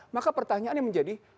maka pertanyaannya menjadi